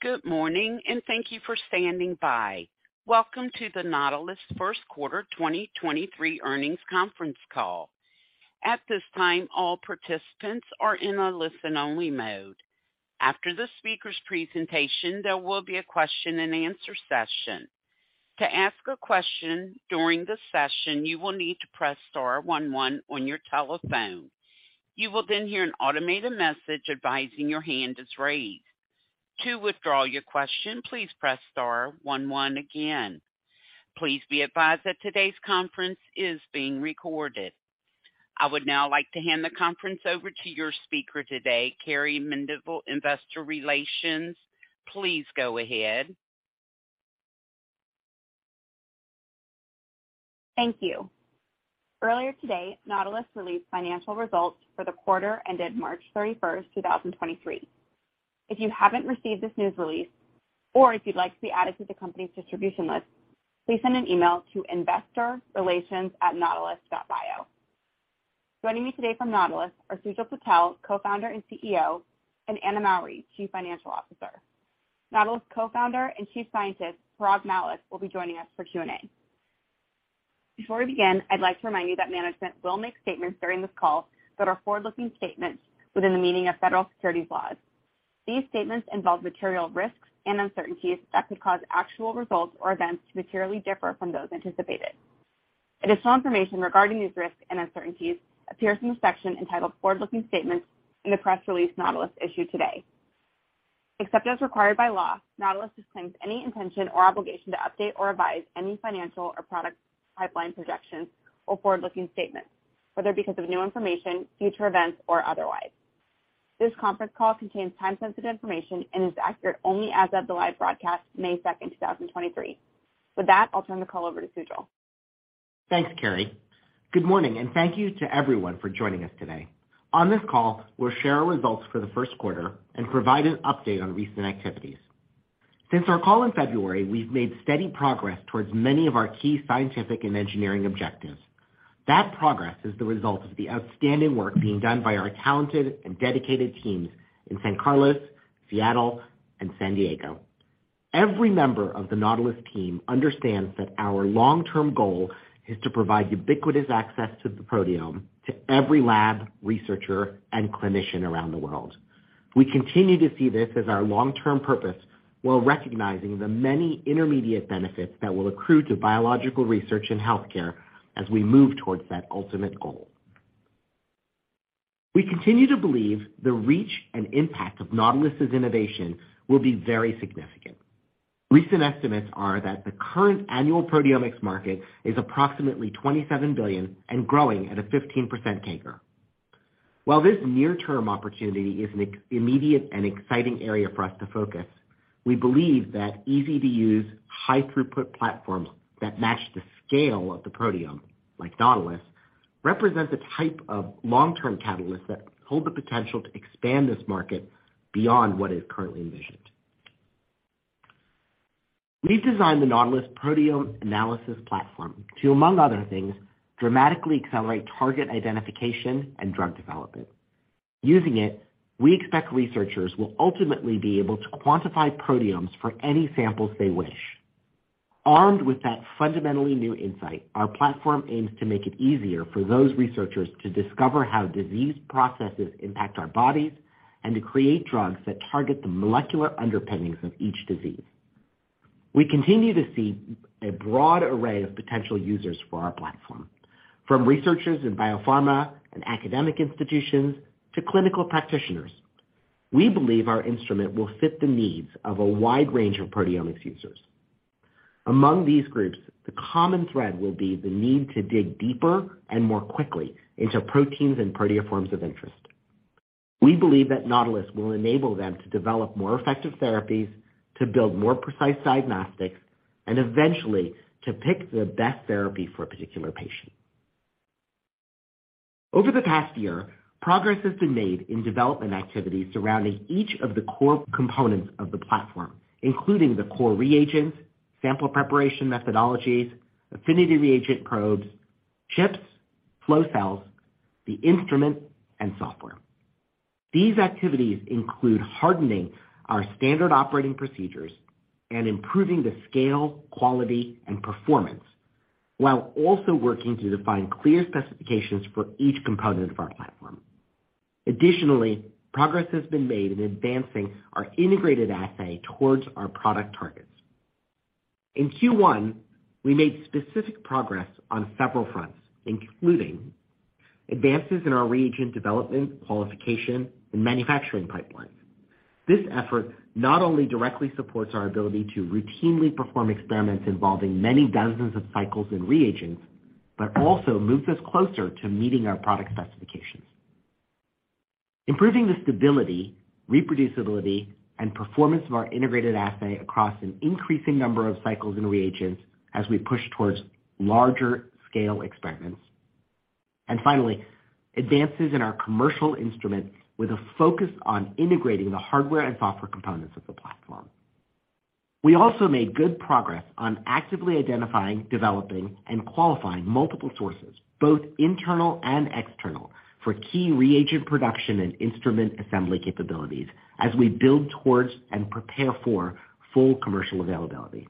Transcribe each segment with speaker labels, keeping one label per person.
Speaker 1: Good morning, and thank you for standing by. Welcome to the Nautilus first quarter 2023 earnings conference call. At this time, all participants are in a listen-only mode. After the speaker's presentation, there will be a question-and-answer session. To ask a question during the session, you will need to press star one one on your telephone. You will then hear an automated message advising your hand is raised. To withdraw your question, please press star one one again. Please be advised that today's conference is being recorded. I would now like to hand the conference over to your speaker today, Carrie Mendivil, Investor Relations. Please go ahead.
Speaker 2: Thank you. Earlier today, Nautilus released financial results for the quarter ended March 31st, 2023. If you haven't received this news release, or if you'd like to be added to the company's distribution list, please send an email to investorrelations@nautilus.bio. Joining me today from Nautilus are Sujal Patel, Co-founder and CEO, and Anna Mowry, Chief Financial Officer. Nautilus Co-founder and Chief Scientist, Parag Mallick, will be joining us for Q&A. Before we begin, I'd like to remind you that management will make statements during this call that are forward-looking statements within the meaning of federal securities laws. These statements involve material risks and uncertainties that could cause actual results or events to materially differ from those anticipated. Additional information regarding these risks and uncertainties appears in the section entitled Forward-Looking Statements in the press release Nautilus issued today. Except as required by law, Nautilus disclaims any intention or obligation to update or revise any financial or product pipeline projections or forward-looking statements, whether because of new information, future events, or otherwise. This conference call contains time-sensitive information and is accurate only as of the live broadcast, May second, two thousand twenty-three. With that, I'll turn the call over to Sujal.
Speaker 3: Thanks, Carrie. Good morning, and thank you to everyone for joining us today. On this call, we'll share our results for the first quarter and provide an update on recent activities. Since our call in February, we've made steady progress towards many of our key scientific and engineering objectives. That progress is the result of the outstanding work being done by our talented and dedicated teams in San Carlos, Seattle, and San Diego. Every member of the Nautilus team understands that our long-term goal is to provide ubiquitous access to the proteome to every lab, researcher, and clinician around the world. We continue to see this as our long-term purpose while recognizing the many intermediate benefits that will accrue to biological research and healthcare as we move towards that ultimate goal. We continue to believe the reach and impact of Nautilus's innovation will be very significant. Recent estimates are that the current annual proteomics market is approximately $27 billion and growing at a 15% CAGR. While this near-term opportunity is an immediate and exciting area for us to focus, we believe that easy-to-use, high throughput platforms that match the scale of the proteome, like Nautilus, represent the type of long-term catalyst that hold the potential to expand this market beyond what is currently envisioned. We've designed the Nautilus Proteome Analysis Platform to, among other things, dramatically accelerate target identification and drug development. Using it, we expect researchers will ultimately be able to quantify proteomes for any samples they wish. Armed with that fundamentally new insight, our platform aims to make it easier for those researchers to discover how disease processes impact our bodies and to create drugs that target the molecular underpinnings of each disease. We continue to see a broad array of potential users for our platform, from researchers in biopharma and academic institutions to clinical practitioners. We believe our instrument will fit the needs of a wide range of proteomics users. Among these groups, the common thread will be the need to dig deeper and more quickly into proteins and proteoforms of interest. We believe that Nautilus will enable them to develop more effective therapies, to build more precise diagnostics, and eventually to pick the best therapy for a particular patient. Over the past year, progress has been made in development activities surrounding each of the core components of the platform, including the core reagents, sample preparation methodologies, affinity reagent probes, chips, flow cells, the instrument, and software. These activities include hardening our standard operating procedures and improving the scale, quality, and performance, while also working to define clear specifications for each component of our platform. Additionally, progress has been made in advancing our integrated assay towards our product targets. In Q1, we made specific progress on several fronts, including advances in our reagent development, qualification, and manufacturing pipelines. This effort not only directly supports our ability to routinely perform experiments involving many dozens of cycles and reagents, but also moves us closer to meeting our product specifications. Improving the stability, reproducibility, and performance of our integrated assay across an increasing number of cycles and reagents as we push towards larger scale experiments. Finally, advances in our commercial instrument with a focus on integrating the hardware and software components of the platform. We also made good progress on actively identifying, developing, and qualifying multiple sources, both internal and external, for key reagent production and instrument assembly capabilities as we build towards and prepare for full commercial availability.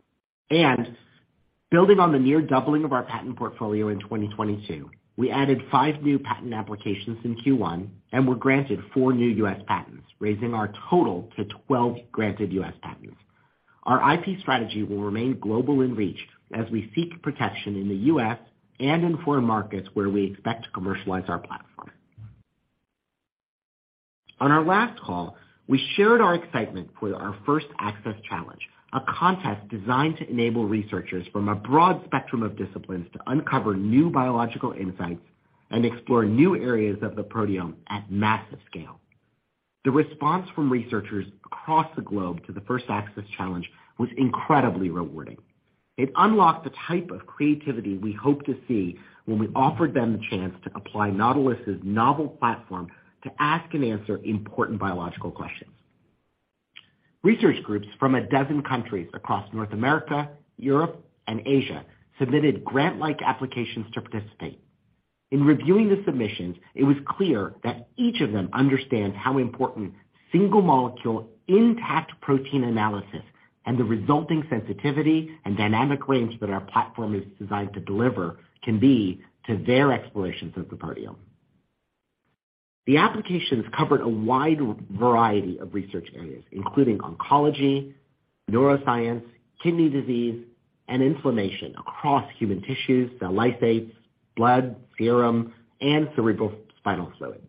Speaker 3: Building on the near doubling of our patent portfolio in 2022, we added five new patent applications in Q1 and were granted four new U.S. patents, raising our total to 12 granted U.S. patents. Our IP strategy will remain global in reach as we seek protection in the U.S. and in foreign markets where we expect to commercialize our platform. On our last call, we shared our excitement for our First Access Challenge, a contest designed to enable researchers from a broad spectrum of disciplines to uncover new biological insights and explore new areas of the proteome at massive scale. The response from researchers across the globe to the First Access Challenge was incredibly rewarding. It unlocked the type of creativity we hope to see when we offered them the chance to apply Nautilus' novel platform to ask and answer important biological questions. Research groups from a dozen countries across North America, Europe, and Asia submitted grant-like applications to participate. In reviewing the submissions, it was clear that each of them understand how important single molecule intact protein analysis and the resulting sensitivity and dynamic range that our platform is designed to deliver can be to their explorations of the proteome. The applications covered a wide variety of research areas, including oncology, neuroscience, kidney disease, and inflammation across human tissues, cell lysates, blood, serum, and cerebrospinal fluid.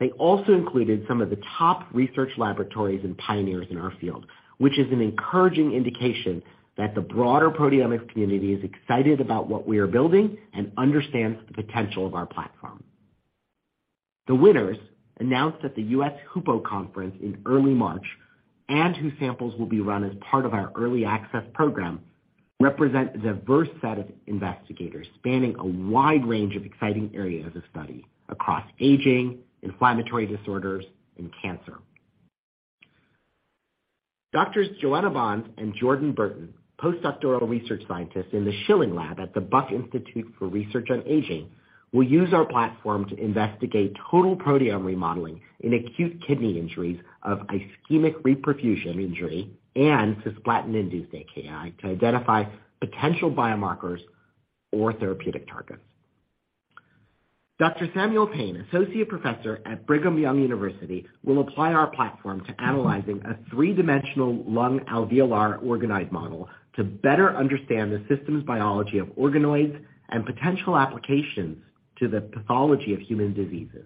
Speaker 3: They also included some of the top research laboratories and pioneers in our field, which is an encouraging indication that the broader proteomics community is excited about what we are building and understands the potential of our platform. The winners, announced at the U.S. HUPO Conference in early March, and whose samples will be run as part of our early access program, represent a diverse set of investigators spanning a wide range of exciting areas of study across aging, inflammatory disorders, and cancer. Doctors Joanna Bons and Jordan Burton, postdoctoral research scientists in the Schilling Lab at the Buck Institute for Research on Aging, will use our platform to investigate total proteome remodeling in acute kidney injuries of ischemia-reperfusion injury and cisplatin-induced AKI to identify potential biomarkers or therapeutic targets. Dr. Samuel Payne, Associate Professor at Brigham Young University, will apply our platform to analyzing a 3-dimensional lung alveolar organoid model to better understand the systems biology of organoids and potential applications to the pathology of human diseases.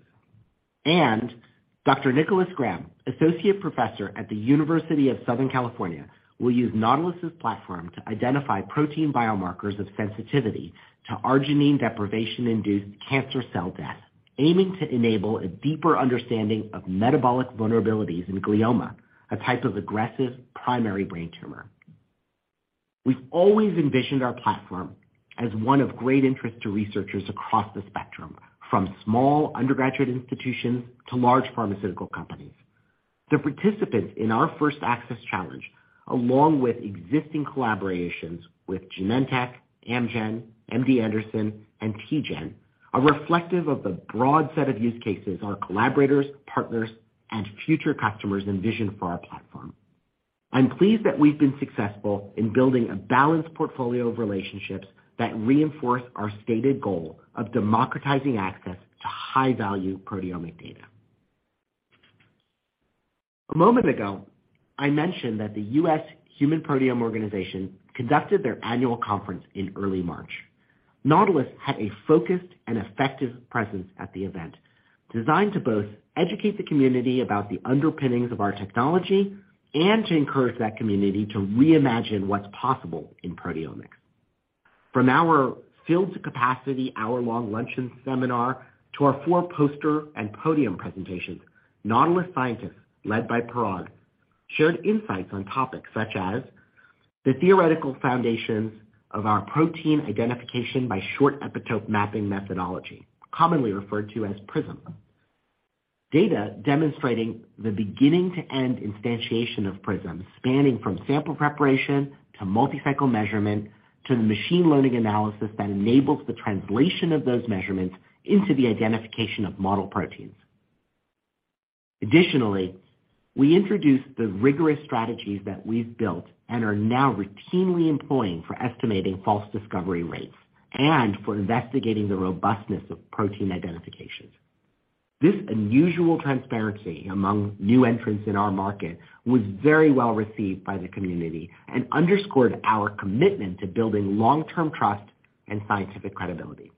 Speaker 3: Dr. Nicholas Graham, Associate Professor at the University of Southern California, will use Nautilus' platform to identify protein biomarkers of sensitivity to arginine deprivation-induced cancer cell death, aiming to enable a deeper understanding of metabolic vulnerabilities in glioma, a type of aggressive primary brain tumor. We've always envisioned our platform as one of great interest to researchers across the spectrum, from small undergraduate institutions to large pharmaceutical companies. The participants in our First Access Challenge, along with existing collaborations with Genentech, Amgen, MD Anderson, and TGen, are reflective of the broad set of use cases our collaborators, partners, and future customers envision for our platform. I'm pleased that we've been successful in building a balanced portfolio of relationships that reinforce our stated goal of democratizing access to high-value proteomic data. A moment ago, I mentioned that the U.S. Human Proteome Organization conducted their annual conference in early March. Nautilus had a focused and effective presence at the event, designed to both educate the community about the underpinnings of our technology and to encourage that community to reimagine what's possible in proteomics. From our field to capacity hour-long luncheon seminar to our four poster and podium presentations, Nautilus scientists, led by Parag, shared insights on topics such as the theoretical foundations of our protein identification by short epitope mapping methodology, commonly referred to as PRISM. Data demonstrating the beginning to end instantiation of PRISM, spanning from sample preparation to multi-cycle measurement to the machine learning analysis that enables the translation of those measurements into the identification of model proteins. Additionally, we introduced the rigorous strategies that we've built and are now routinely employing for estimating false discovery rates and for investigating the robustness of protein identifications. This unusual transparency among new entrants in our market was very well received by the community and underscored our commitment to building long-term trust and scientific credibility.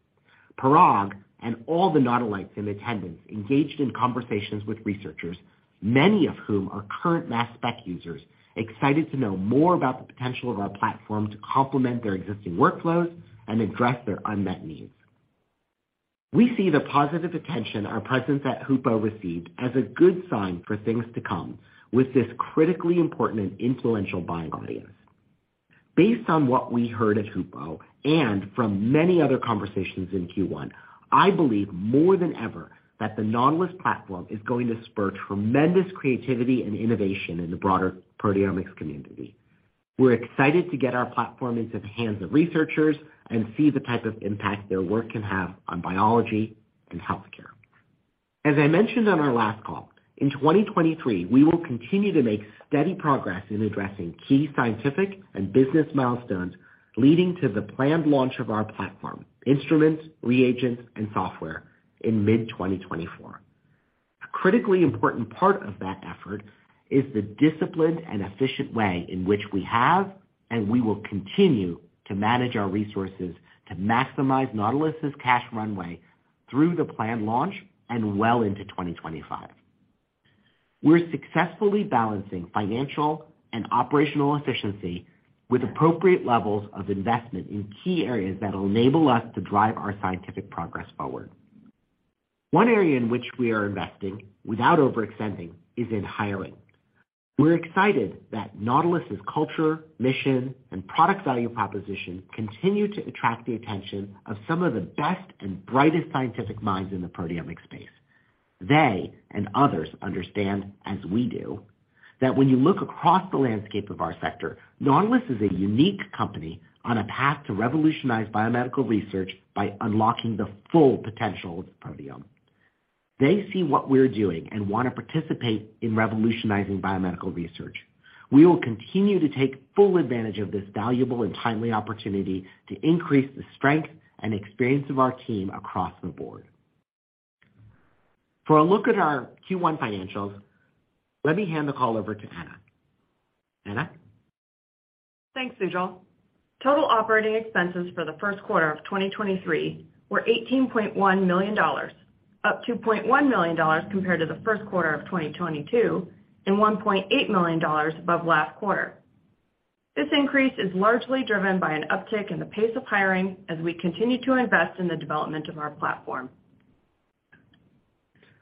Speaker 3: Parag and all the Nautilites in attendance engaged in conversations with researchers, many of whom are current mass spec users, excited to know more about the potential of our platform to complement their existing workflows and address their unmet needs. We see the positive attention our presence at HUPO received as a good sign for things to come with this critically important and influential buying audience. Based on what we heard at HUPO and from many other conversations in Q1, I believe more than ever that the Nautilus platform is going to spur tremendous creativity and innovation in the broader proteomics community. We're excited to get our platform into the hands of researchers and see the type of impact their work can have on biology and healthcare. As I mentioned on our last call, in 2023, we will continue to make steady progress in addressing key scientific and business milestones leading to the planned launch of our platform, instruments, reagents, and software in mid-2024. A critically important part of that effort is the disciplined and efficient way in which we have and we will continue to manage our resources to maximize Nautilus' cash runway through the planned launch and well into 2025. We're successfully balancing financial and operational efficiency with appropriate levels of investment in key areas that enable us to drive our scientific progress forward. One area in which we are investing without overextending is in hiring. We're excited that Nautilus' culture, mission, and product value proposition continue to attract the attention of some of the best and brightest scientific minds in the proteomic space. They and others understand, as we do, that when you look across the landscape of our sector, Nautilus is a unique company on a path to revolutionize biomedical research by unlocking the full potential of the proteome. They see what we're doing and want to participate in revolutionizing biomedical research. We will continue to take full advantage of this valuable and timely opportunity to increase the strength and experience of our team across the board. For a look at our Q1 financials, let me hand the call over to Anna. Anna?
Speaker 4: Thanks, Sujal. Total operating expenses for the first quarter of 2023 were $18.1 million, up $2.1 million compared to the first quarter of 2022 and $1.8 million above last quarter. This increase is largely driven by an uptick in the pace of hiring as we continue to invest in the development of our platform.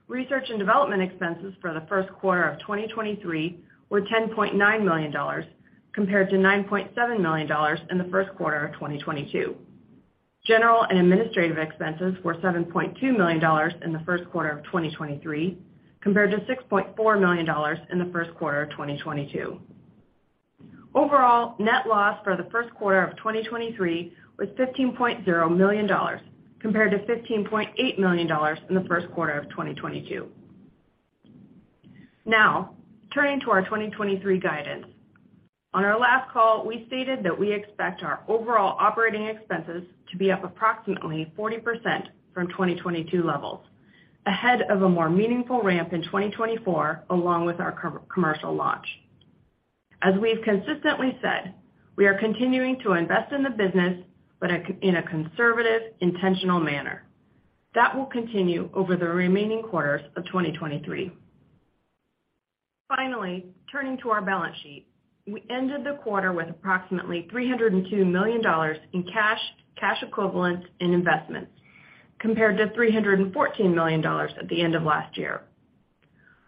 Speaker 4: Research and development expenses for the first quarter of 2023 were $10.9 million compared to $9.7 million in the first quarter of 2022. General and administrative expenses were $7.2 million in the first quarter of 2023 compared to $6.4 million in the first quarter of 2022. Overall, net loss for the first quarter of 2023 was $15.0 million compared to $15.8 million in the first quarter of 2022. Turning to our 2023 guidance. On our last call, we stated that we expect our overall operating expenses to be up approximately 40% from 2022 levels, ahead of a more meaningful ramp in 2024 along with our co-commercial launch. As we've consistently said, we are continuing to invest in the business, but in a conservative, intentional manner. That will continue over the remaining quarters of 2023. Turning to our balance sheet. We ended the quarter with approximately $302 million in cash equivalents, and investments compared to $314 million at the end of last year.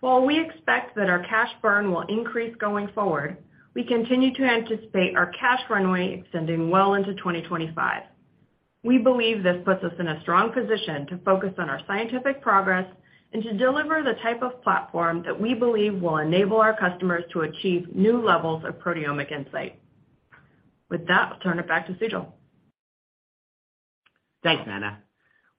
Speaker 4: While we expect that our cash burn will increase going forward, we continue to anticipate our cash runway extending well into 2025. We believe this puts us in a strong position to focus on our scientific progress and to deliver the type of platform that we believe will enable our customers to achieve new levels of proteomic insight. With that, I'll turn it back to Sujal.
Speaker 3: Thanks, Anna.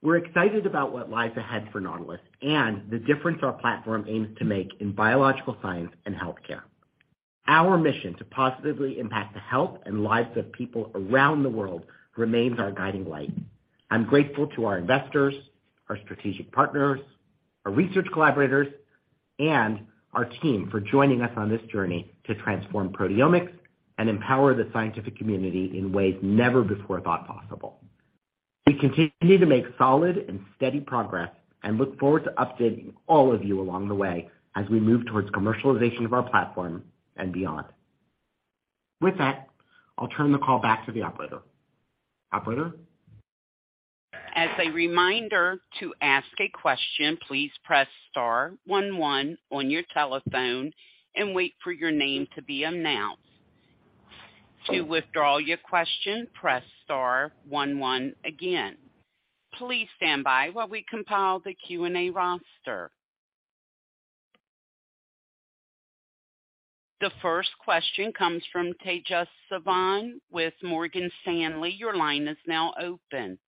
Speaker 3: We're excited about what lies ahead for Nautilus and the difference our platform aims to make in biological science and healthcare. Our mission to positively impact the health and lives of people around the world remains our guiding light. I'm grateful to our investors, our strategic partners, our research collaborators, and our team for joining us on this journey to transform proteomics and empower the scientific community in ways never before thought possible. We continue to make solid and steady progress and look forward to updating all of you along the way as we move towards commercialization of our platform and beyond. With that, I'll turn the call back to the operator. Operator?
Speaker 1: As a reminder, to ask a question, please press star one one on your telephone and wait for your name to be announced. To withdraw your question, press star one one again. Please stand by while we compile the Q&A roster. The first question comes from Tejas Savant with Morgan Stanley. Your line is now open.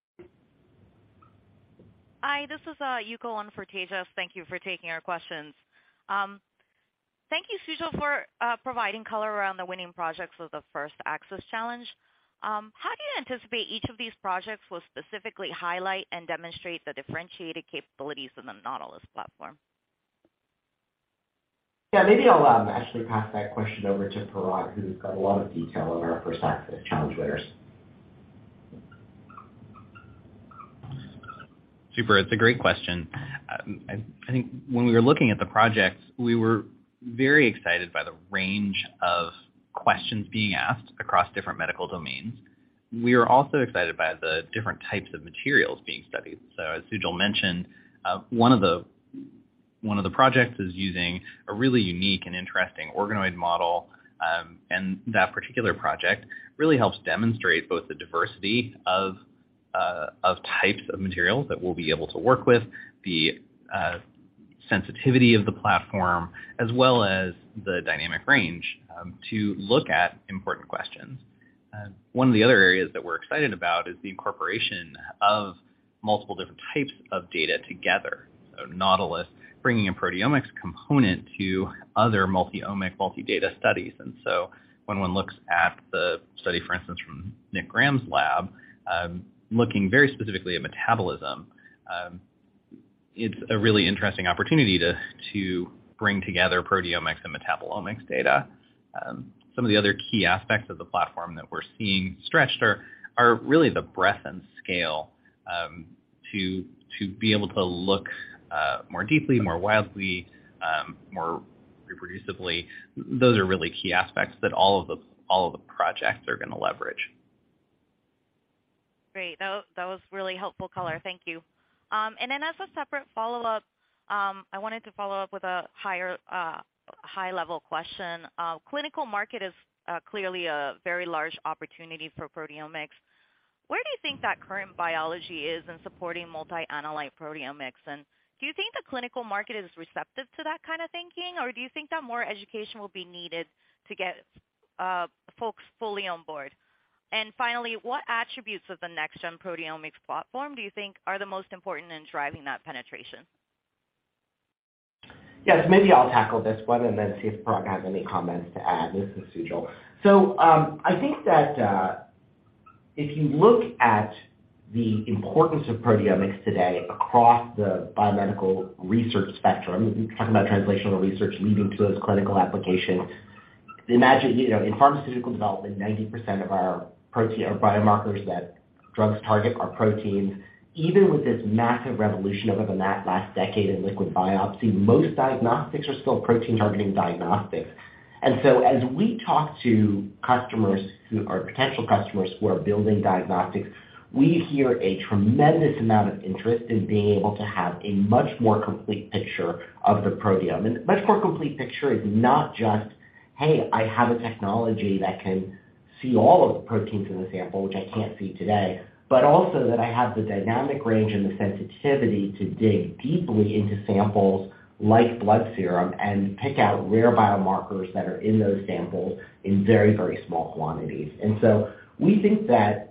Speaker 5: Hi, this is Yuko on for Tejas. Thank you for taking our questions. Thank you, Sujal, for providing color around the winning projects of the First Access Challenge. How do you anticipate each of these projects will specifically highlight and demonstrate the differentiated capabilities in the Nautilus platform?
Speaker 3: Yeah, maybe I'll, actually pass that question over to Parag, who's got a lot of detail on our First Access Challenge winners.
Speaker 6: Super. It's a great question. I think when we were looking at the projects, we were very excited by the range of questions being asked across different medical domains. We are also excited by the different types of materials being studied. As Sujal mentioned, one of the projects is using a really unique and interesting organoid model, and that particular project really helps demonstrate both the diversity of types of materials that we'll be able to work with, the sensitivity of the platform, as well as the dynamic range to look at important questions. One of the other areas that we're excited about is the incorporation of multiple different types of data together. Nautilus bringing a proteomics component to other multi-omic, multi-data studies. When one looks at the study, for instance, from Nick Graham's lab, looking very specifically at metabolism, it's a really interesting opportunity to bring together proteomics and metabolomics data. Some of the other key aspects of the platform that we're seeing stretched are really the breadth and scale, to be able to look more deeply, more widely, more reproducibly. Those are really key aspects that all of the projects are going to leverage.
Speaker 5: Great. That was really helpful color. Thank you. As a separate follow-up, I wanted to follow up with a higher, high-level question. Clinical market is clearly a very large opportunity for proteomics. Where do you think that current biology is in supporting multi-analyte proteomics? Do you think the clinical market is receptive to that kind of thinking? Or do you think that more education will be needed to get folks fully on board? Finally, what attributes of the next-gen proteomics platform do you think are the most important in driving that penetration?
Speaker 3: Yes, maybe I'll tackle this one and then see if Parag has any comments to add. This is Sujal. I think that if you look at the importance of proteomics today across the biomedical research spectrum, talking about translational research leading to those clinical applications. Imagine, you know, in pharmaceutical development, 90% of our biomarkers that drugs target are proteins. Even with this massive revolution over the last decade in liquid biopsy, most diagnostics are still protein-targeting diagnostics. As we talk to customers who are potential customers who are building diagnostics, we hear a tremendous amount of interest in being able to have a much more complete picture of the proteome. Much more complete picture is not just, "Hey, I have a technology that can see all of the proteins in the sample, which I can't see today," but also that I have the dynamic range and the sensitivity to dig deeply into samples like blood serum and pick out rare biomarkers that are in those samples in very, very small quantities. So we think that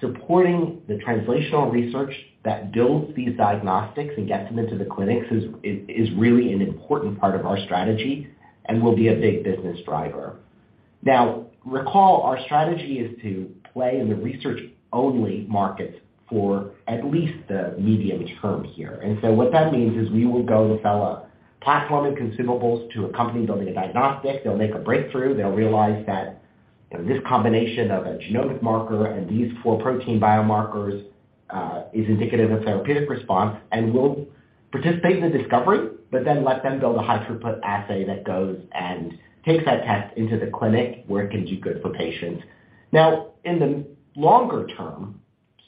Speaker 3: supporting the translational research that builds these diagnostics and gets them into the clinics is really an important part of our strategy and will be a big business driver. Now, recall, our strategy is to play in the research-only markets for at least the medium term here. So what that means is we will go and sell a platform and consumables to a company building a diagnostic. They'll make a breakthrough. They'll realize that, you know, this combination of a genomic marker and these four protein biomarkers is indicative of therapeutic response, and we'll participate in the discovery, but then let them build a high-throughput assay that goes and takes that test into the clinic where it can do good for patients. Now, in the longer term,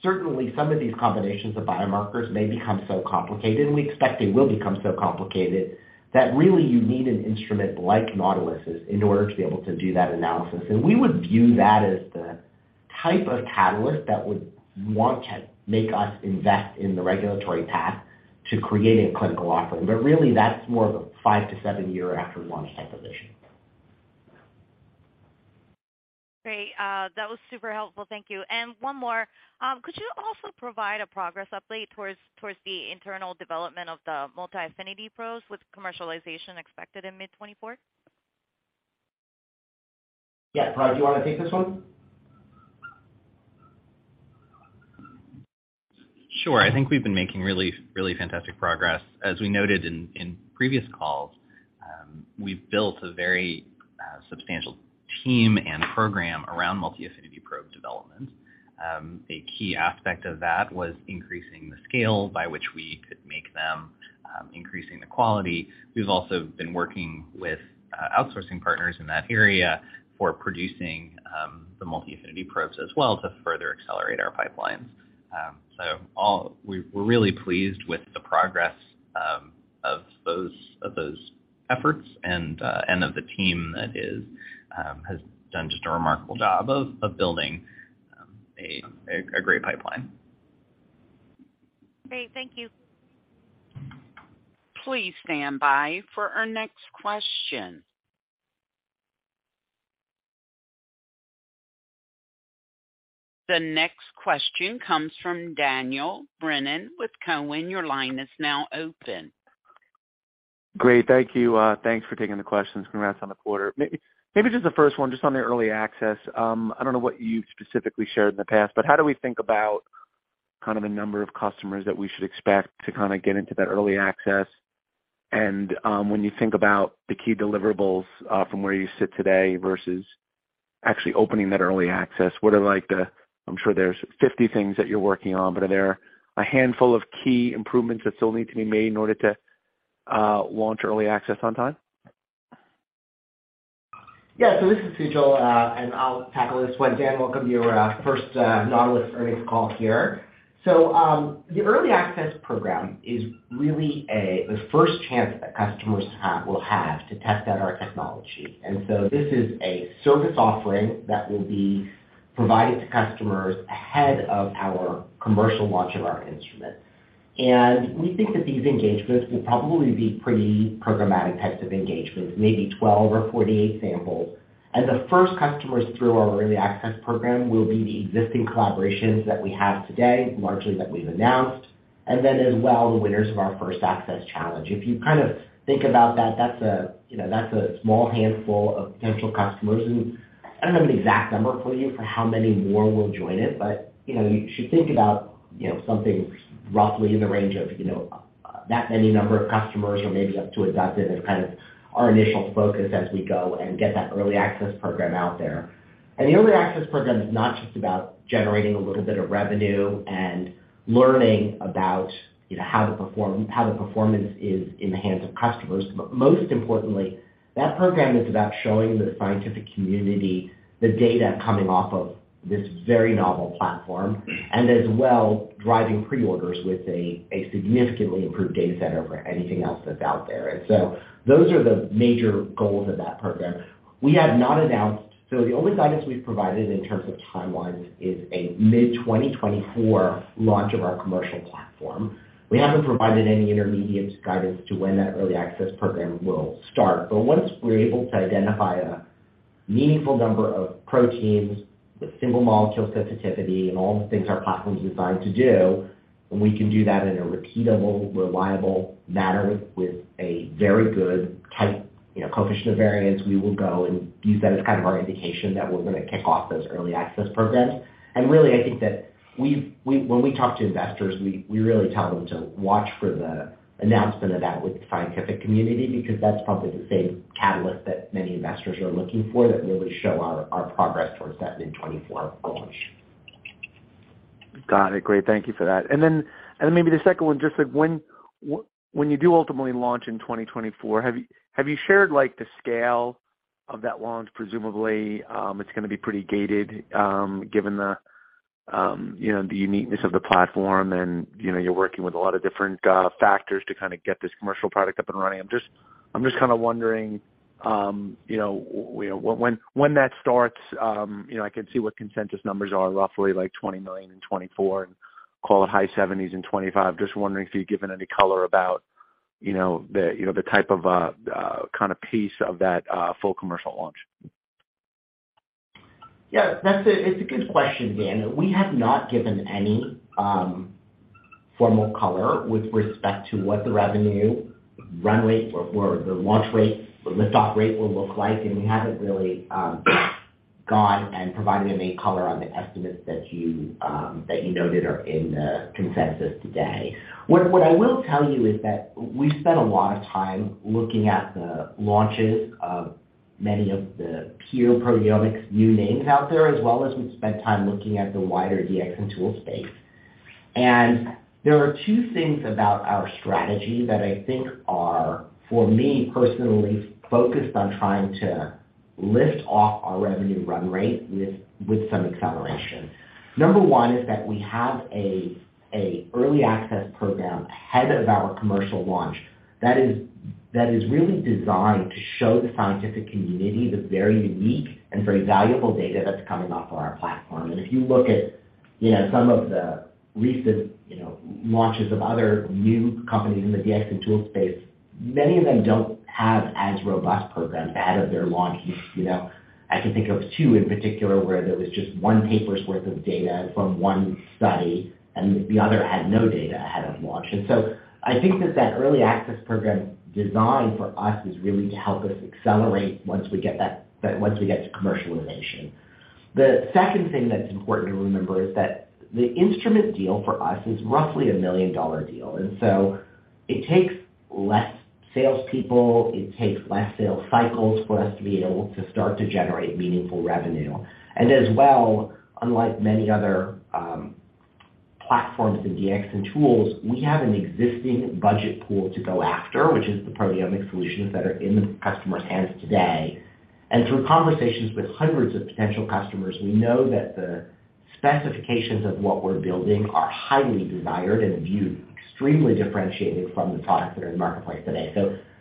Speaker 3: certainly some of these combinations of biomarkers may become so complicated, and we expect they will become so complicated, that really you need an instrument like Nautilus's in order to be able to do that analysis. We would view that as the type of catalyst that would want to make us invest in the regulatory path to creating a clinical offering. Really that's more of a five to seven year after launch type of vision.
Speaker 5: Great. That was super helpful. Thank you. One more. Could you also provide a progress update towards the internal development of the multi-affinity probes with commercialization expected in mid-2024?
Speaker 3: Yeah. Parag, do you want to take this one?
Speaker 6: Sure. I think we've been making really, really fantastic progress. As we noted in previous calls, we've built a very substantial team and program around multi-affinity probe development. A key aspect of that was increasing the scale by which we could make them, increasing the quality. We've also been working with outsourcing partners in that area for producing the multi-affinity probes as well to further accelerate our pipelines. We're really pleased with the progress of those efforts and of the team that has done just a remarkable job of building a great pipeline.
Speaker 5: Great. Thank you.
Speaker 1: Please stand by for our next question. The next question comes from Daniel Brennan with Cowen. Your line is now open.
Speaker 7: Great. Thank you. Thanks for taking the questions, congrats on the quarter. Maybe just the first one just on the early access. I don't know what you specifically shared in the past, but how do we think about kind of a number of customers that we should expect to kind of get into that early access? When you think about the key deliverables, from where you sit today versus actually opening that early access, I'm sure there's 50 things that you're working on, but are there a handful of key improvements that still need to be made in order to launch early access on time?
Speaker 3: This is Sujal, and I'll tackle this one. Dan, welcome to your first Nautilus earnings call here. The early access program is really the first chance that customers will have to test out our technology. This is a service offering that will be provided to customers ahead of our commercial launch of our instrument. We think that these engagements will probably be pretty programmatic types of engagements, maybe 12 or 48 samples. The first customers through our early access program will be the existing collaborations that we have today, largely that we've announced, and then as well the winners of our First Access Challenge. You kind of think about that's a, you know, that's a small handful of potential customers. I don't have an exact number for you for how many more will join it, but, you know, you should think about, you know, something roughly in the range of, you know, that many number of customers or maybe up to 12 as kind of our initial focus as we go and get that early access program out there. The early access program is not just about generating a little bit of revenue and learning about, you know, how the performance is in the hands of customers, but most importantly, that program is about showing the scientific community the data coming off of this very novel platform, and as well driving pre-orders with a significantly improved data center for anything else that's out there. Those are the major goals of that program. We have not announced... The only guidance we've provided in terms of timelines is a mid-2024 launch of our commercial platform. We haven't provided any intermediate guidance to when that early access program will start. Once we're able to identify a meaningful number of proteins with single molecule sensitivity and all the things our platform is designed to do, and we can do that in a repeatable, reliable manner with a very good tight, you know, coefficient of variance, we will go and use that as kind of our indication that we're gonna kick off those early access programs. Really, I think that we when we talk to investors, we really tell them to watch for the announcement of that with the scientific community, because that's probably the same catalyst that many investors are looking for that really show our progress towards that mid-2024 launch.
Speaker 7: Got it. Great. Thank you for that. Then maybe the second one, just like when you do ultimately launch in 2024, have you shared like the scale of that launch? Presumably, it's gonna be pretty gated, given the, you know, the uniqueness of the platform and, you know, you're working with a lot of different factors to kinda get this commercial product up and running. I'm just kinda wondering, you know, when that starts, you know, I can see what consensus numbers are roughly like $20 million in 2024 and call it high seventies in 2025. Just wondering if you've given any color about, you know, the, you know, the type of kinda piece of that full commercial launch.
Speaker 3: Yeah, that's a good question, Dan. We have not given any formal color with respect to what the revenue run rate or the launch rate or lift-off rate will look like, and we haven't really gone and provided any color on the estimates that you noted are in the consensus today. What I will tell you is that we've spent a lot of time looking at the launches of many of the peer proteomics new names out there, as well as we've spent time looking at the wider DX and tool space. There are two things about our strategy that I think are, for me personally, focused on trying to lift off our revenue run rate with some acceleration. Number 1 is that we have a early access program ahead of our commercial launch that is really designed to show the scientific community the very unique and very valuable data that's coming off of our platform. If you look at, you know, some of the recent, you know, launches of other new companies in the DX and tool space, many of them don't have as robust programs ahead of their launches. You know, I can think of two in particular where there was just one paper's worth of data from one study, and the other had no data ahead of launch. I think that early access program design for us is really to help us accelerate once we get to commercialization. The second thing that's important to remember is that the instrument deal for us is roughly a $1 million deal. It takes less salespeople, it takes less sales cycles for us to be able to start to generate meaningful revenue. As well, unlike many other platforms in DX and tools, we have an existing budget pool to go after, which is the proteomic solutions that are in the customer's hands today. Through conversations with hundreds of potential customers, we know that the specifications of what we're building are highly desired and viewed extremely differentiating from the products that are in the marketplace today.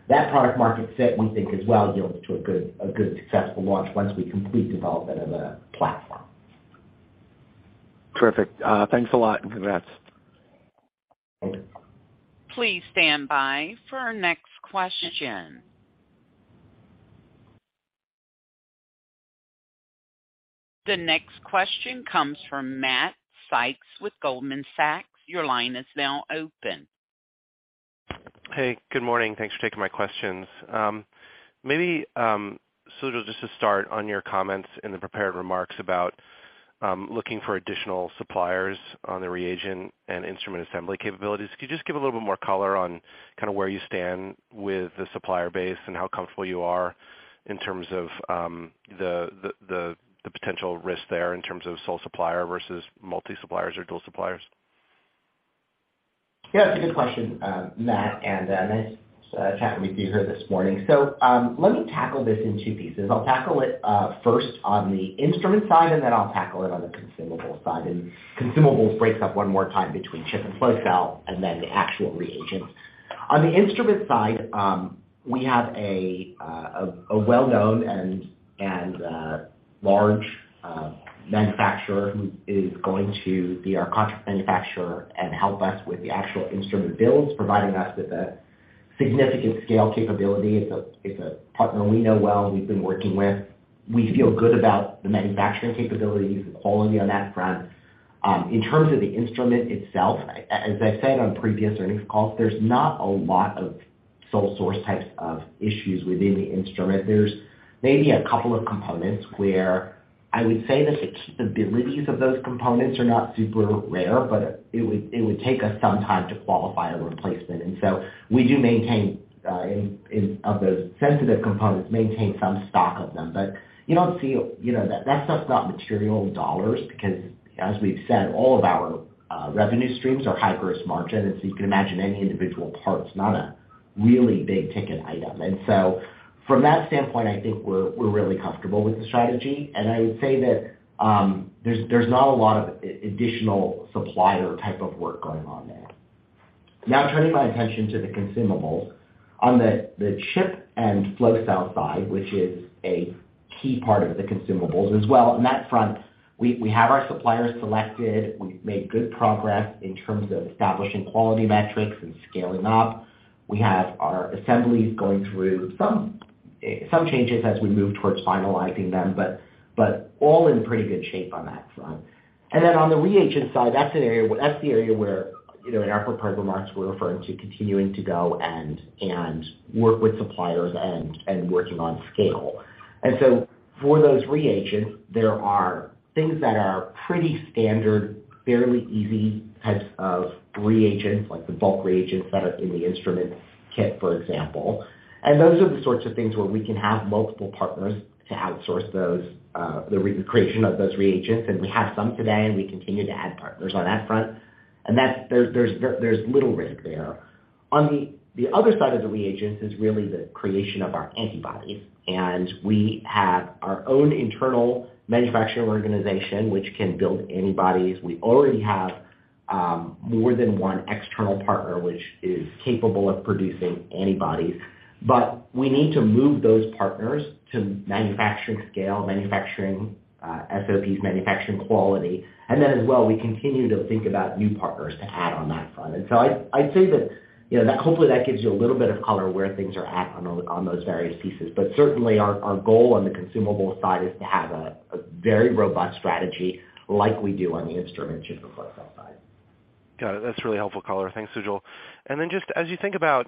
Speaker 3: That product market fit, we think as well, yields to a good successful launch once we complete development of the platform.
Speaker 7: Terrific. Thanks a lot. Congrats.
Speaker 3: Thank you.
Speaker 1: Please stand by for our next question. The next question comes from Matthew Sykes with Goldman Sachs. Your line is now open.
Speaker 8: Hey, good morning. Thanks for taking my questions. Maybe Sujal, just to start on your comments in the prepared remarks about looking for additional suppliers on the reagent and instrument assembly capabilities. Could you just give a little bit more color on kinda where you stand with the supplier base and how comfortable you are in terms of the potential risk there in terms of sole supplier versus multi-suppliers or dual suppliers?
Speaker 3: Yeah, it's a good question, Matt, and nice chatting with you here this morning. Let me tackle this in two pieces. I'll tackle it first on the instrument side, and then I'll tackle it on the consumable side. Consumables breaks up one more time between chip and flow cell and then the actual reagents. On the instrument side, we have a well-known and large manufacturer who is going to be our contract manufacturer and help us with the actual instrument builds, providing us with a significant scale capability. It's a partner we know well, and we've been working with. We feel good about the manufacturing capabilities and quality on that front. In terms of the instrument itself, as I said on previous earnings calls, there's not a lot of sole source types of issues within the instrument. There's maybe a couple of components where I would say that the capabilities of those components are not super rare, but it would take us some time to qualify a replacement. We do maintain of those sensitive components, maintain some stock of them. You know, that stuff's not material in dollars because, as we've said, all of our revenue streams are high gross margin. You can imagine any individual part's not a really big ticket item. From that standpoint, I think we're really comfortable with the strategy. I would say that there's not a lot of additional supplier type of work going on there. Turning my attention to the consumables. On the chip and flow cell side, which is a key part of the consumables as well, on that front, we have our suppliers selected. We've made good progress in terms of establishing quality metrics and scaling up. We have our assemblies going through some changes as we move towards finalizing them, but all in pretty good shape on that front. On the reagent side, that's the area where, you know, in our prepared remarks, we're referring to continuing to go and work with suppliers and working on scale. For those reagents, there are things that are pretty standard, fairly easy types of reagents, like the bulk reagents that are in the instrument kit, for example. Those are the sorts of things where we can have multiple partners to outsource those, the re-creation of those reagents. We have some today, and we continue to add partners on that front. There's little risk there. On the other side of the reagents is really the creation of our antibodies. We have our own internal manufacturing organization which can build antibodies. We already have more than one external partner which is capable of producing antibodies. We need to move those partners to manufacturing scale, manufacturing SOPs, manufacturing quality. As well, we continue to think about new partners to add on that front. I'd say that, you know, that hopefully that gives you a little bit of color where things are at on those various pieces. Certainly our goal on the consumable side is to have a very robust strategy like we do on the instrument chip and flow cell side.
Speaker 8: Got it. That's really helpful color. Thanks, Sujal. Then just as you think about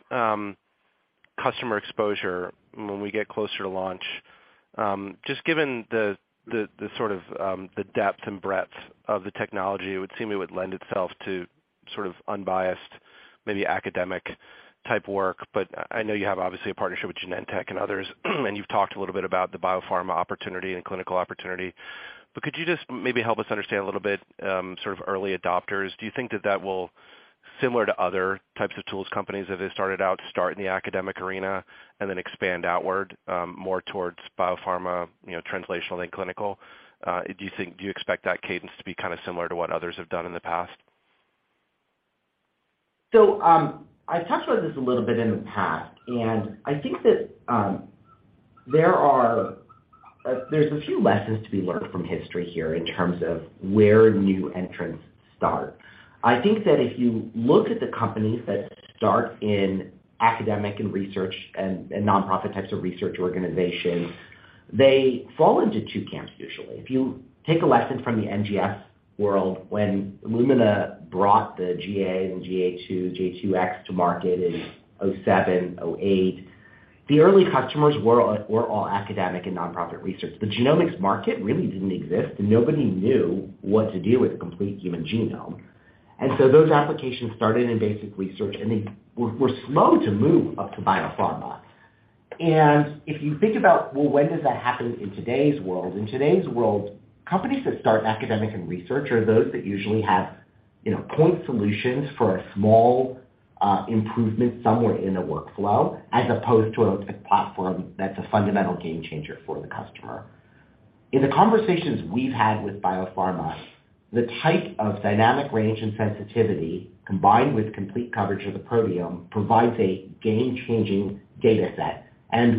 Speaker 8: customer exposure when we get closer to launch, just given the sort of, the depth and breadth of the technology, it would seem it would lend itself to sort of unbiased, maybe academic type work. I know you have obviously a partnership with Genentech and others, and you've talked a little bit about the biopharma opportunity and clinical opportunity. Could you just maybe help us understand a little bit, sort of early adopters? Do you think that that will, similar to other types of tools companies, if they started out, start in the academic arena and then expand outward, more towards biopharma, you know, translational and clinical? Do you expect that cadence to be kind of similar to what others have done in the past?
Speaker 3: I've touched on this a little bit in the past, and I think that there's a few lessons to be learned from history here in terms of where new entrants start. I think that if you look at the companies that start in academic and research and nonprofit types of research organizations, they fall into two camps usually. If you take a lesson from the NGS world, when Illumina brought the GA and GA II, GAIIx to market in 2007, 2008, the early customers were all academic and nonprofit research. The genomics market really didn't exist, and nobody knew what to do with a complete human genome. Those applications started in basic research, and they were slow to move up to biopharma. If you think about, well, when does that happen in today's world, in today's world, companies that start academic and research are those that usually have, you know, point solutions for a small improvement somewhere in a workflow, as opposed to a platform that's a fundamental game changer for the customer. In the conversations we've had with biopharma, the type of dynamic range and sensitivity, combined with complete coverage of the proteome, provides a game-changing data set.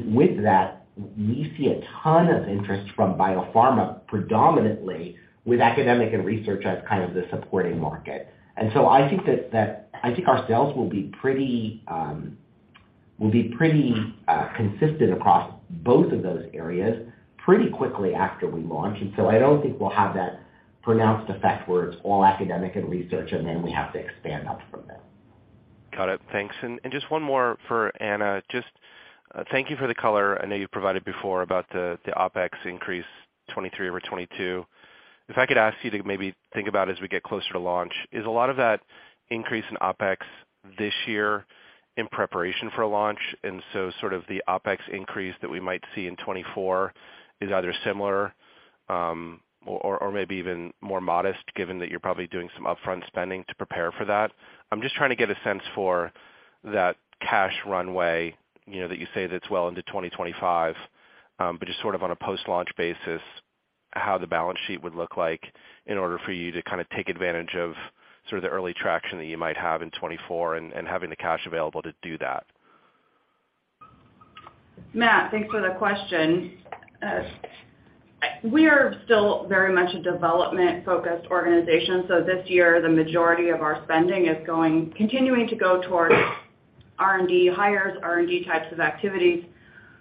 Speaker 3: With that, we see a ton of interest from biopharma, predominantly with academic and research as kind of the supporting market. I think that, I think our sales will be pretty, will be pretty consistent across both of those areas pretty quickly after we launch. I don't think we'll have that pronounced effect where it's all academic and research, and then we have to expand out from there.
Speaker 8: Got it. Thanks. Just one more for Anna. Just thank you for the color I know you've provided before about the OpEx increase 2023 over 2022. If I could ask you to maybe think about as we get closer to launch, is a lot of that increase in OpEx this year in preparation for a launch? Sort of the OpEx increase that we might see in 2024 is either similar, or maybe even more modest given that you're probably doing some upfront spending to prepare for that. I'm just trying to get a sense for that cash runway, you know, that you say that's well into 2025, but just sort of on a post-launch basis, how the balance sheet would look like in order for you to kind of take advantage of sort of the early traction that you might have in 2024 and having the cash available to do that.
Speaker 4: Matt, thanks for the question. We are still very much a development-focused organization. This year the majority of our spending is continuing to go towards R&D hires, R&D types of activities.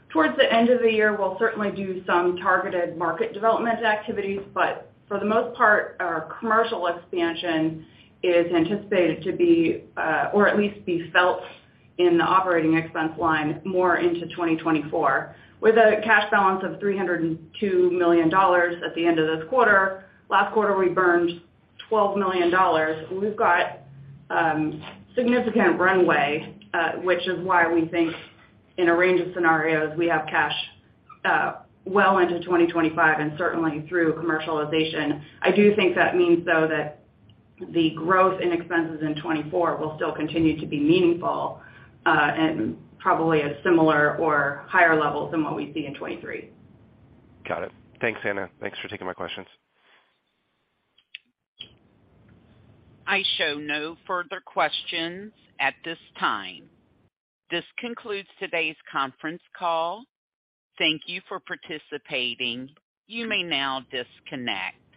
Speaker 4: Towards the end of the year, we'll certainly do some targeted market development activities, but for the most part, our commercial expansion is anticipated to be, or at least be felt in the operating expense line more into 2024. With a cash balance of $302 million at the end of this quarter, last quarter we burned $12 million. We've got significant runway, which is why we think in a range of scenarios, we have cash well into 2025 and certainly through commercialization. I do think that means, though, that the growth in expenses in 2024 will still continue to be meaningful, and probably at similar or higher levels than what we see in 2023.
Speaker 8: Got it. Thanks, Anna. Thanks for taking my questions.
Speaker 1: I show no further questions at this time. This concludes today's conference call. Thank you for participating. You may now disconnect.